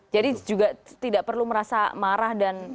jadi juga tidak perlu merasa marah dan